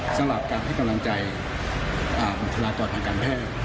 สำหรับการให้กำลังใจบุคลากรทางการแพทย์